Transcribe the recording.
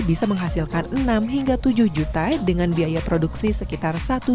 bisa menghasilkan enam hingga tujuh juta dengan biaya produksi sekitar